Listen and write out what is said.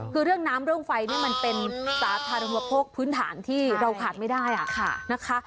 คือเรื่องน้ำเรื่องไฟเนี่ยมันเป็นสาธารณโภคพื้นฐานที่เราขาดไม่ได้นะคะ